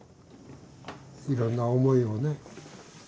いろんな思いをね。